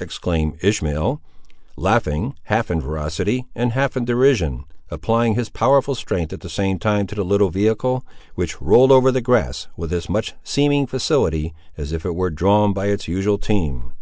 exclaimed Ishmael, laughing, half in ferocity and half in derision, applying his powerful strength at the same time to the little vehicle, which rolled over the grass with as much seeming facility as if it were drawn by its usual team.